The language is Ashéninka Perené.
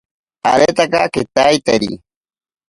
Aretaka kitaiteri.